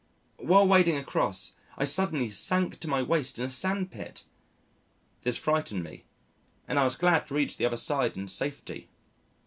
While wading across, I suddenly sank to my waist in a sandpit. This frightened me, and I was glad to reach the other side in safety.